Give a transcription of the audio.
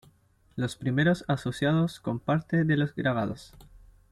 Los primeros asociados con parte de los grabados.